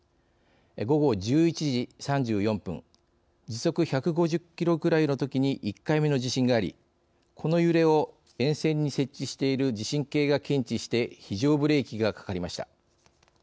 午後１１時３４分時速１５０キロぐらいのときに１回目の地震がありこの揺れを沿線に設置している地震計が検知して非常ブレーキがかかりました。